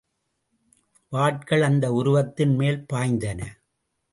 வாட்கள் அந்த உருவத்தின் மேல் பாய்ந்தன.